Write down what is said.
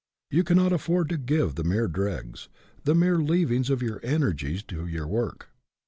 You cannot afford to give the mere dregs, the mere leav ings of your energies, to your work.